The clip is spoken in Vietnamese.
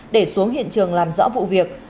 để xuống hiện trường làm rõ vụ việc